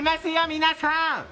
皆さん！